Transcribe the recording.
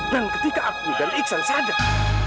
dan ketika aku dan iksan sadar